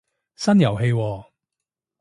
新遊戲喎